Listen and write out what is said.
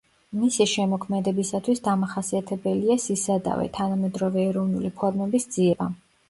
მისი შემოქმედებისათვის დამახასიათებელია სისადავე, თანამედროვე ეროვნული ფორმების ძიება.